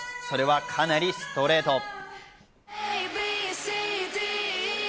それは、かなりストレート。